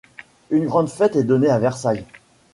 Une grande fête est donnée à Versailles.